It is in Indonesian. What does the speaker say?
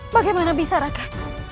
bagaimana bisa raden